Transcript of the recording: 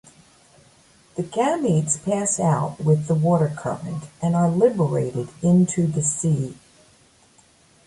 The gametes pass out with the water current and are liberated into the sea.